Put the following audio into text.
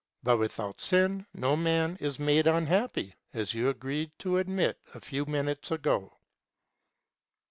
But without sin no man is made unhappy, as you agreed to admit a few minutes ago.